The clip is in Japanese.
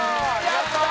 やったー！